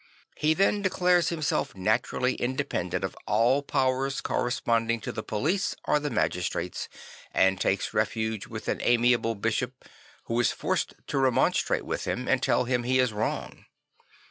He then declares himself naturally independent of all powers corresponding to the police or the magistrates, and takes refuge with an amiable bishop who is forced to remon strate with him and tell him he is wrong.